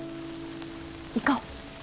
行こう。